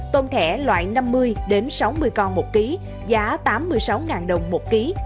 tôm thẻ loại năm mươi sáu mươi con một ký giá tám mươi sáu đồng một ký